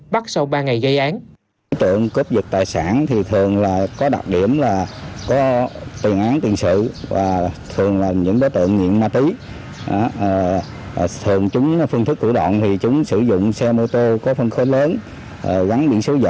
bắt sau ba ngày gây án